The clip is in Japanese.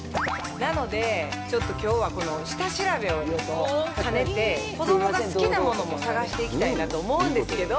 なので、ちょっときょうは下調べをかねて子供が好きなものも探していきたいなと思うんですけど